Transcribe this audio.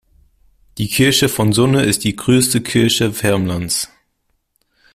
Die Kirche von Sunne ist die größte Kirche Värmlands.